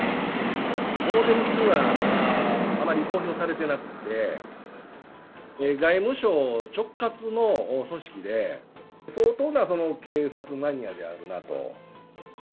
表向きにはあまり公表されてなくて、外務省直轄の組織で、相当な警察マニアであるなと。